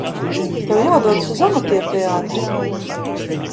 Tev jādodas uz amatierteātri!